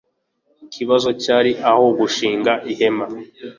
Ikibazo cyari aho gushinga ihema